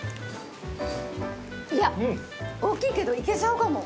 いや大きいけどいけちゃうかも。